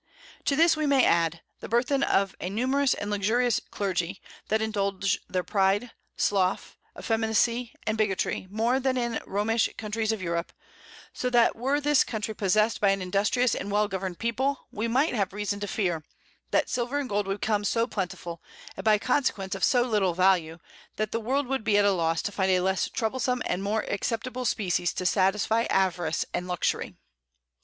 To this we may add, the Burthen of a numerous and luxurious Clergy, that indulge their Pride, Sloth, Effeminacy and Bigottry, more than in the Romish Countries of Europe: So that were this Country possess'd by an industrious and well govern'd People, we might have reason to fear, that Silver and Gold would become so plentiful, and by consequence of so little Value, that the World would be at a Loss to find a less troublesome and more acceptable Species to satisfy Avarice and Luxury.